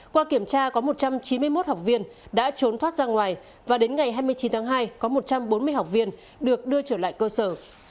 qua kiểm tra có một trăm chín mươi một học viên đã trốn thoát ra ngoài và đến ngày hai mươi chín tháng hai có một trăm bốn mươi học viên được đưa trở lại cơ sở